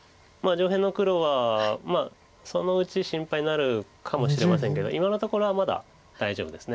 上辺の黒はまあそのうち心配になるかもしれませんけど今のところはまだ大丈夫です。